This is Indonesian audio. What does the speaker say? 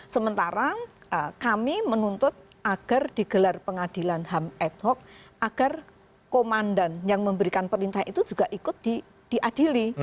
sementara kami menuntut agar digelar pengadilan ham ad hoc agar komandan yang memberikan perintah itu juga ikut diadili